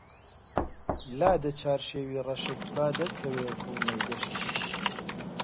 لادە چارشێوی ڕەشت با دەرکەوێ کوڵمەی گەشت